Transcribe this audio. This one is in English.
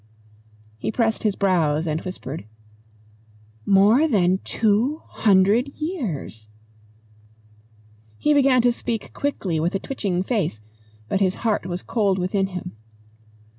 He pressed his brows and whispered, "More than two hundred years!" He began to speak quickly with a twitching face, but his heart was cold within him.